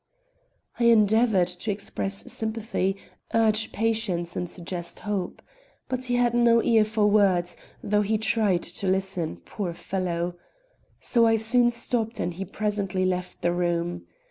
I endeavored to express sympathy, urge patience and suggest hope. But he had no ear for words, though he tried to listen, poor fellow! so I soon stopped and he presently left the room.